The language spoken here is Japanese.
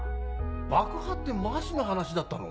爆破ってマジの話だったの？